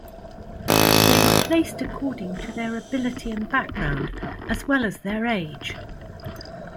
They were placed according to their ability and background as well as their age.